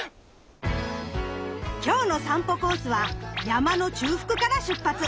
今日の散歩コースは山の中腹から出発。